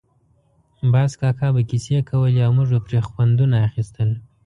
باز کاکا به کیسې کولې او موږ به پرې خوندونه اخیستل.